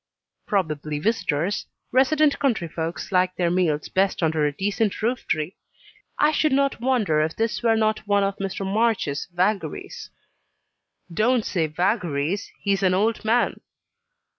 "Probably visitors. Resident country folks like their meals best under a decent roof tree. I should not wonder if this were not one of Mr. March's vagaries." "Don't say vagaries he is an old man."